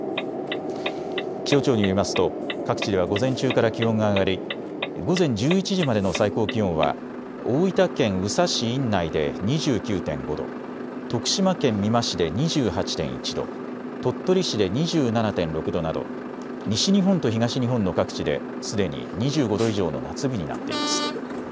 気象庁によりますと各地では午前中から気温が上がり午前１１時までの最高気温は大分県宇佐市院内で２９．５度、徳島県美馬市で２８．１度、鳥取市で２７．６度など西日本と東日本の各地ですでに２５度以上の夏日になっています。